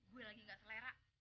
gue lagi gak selera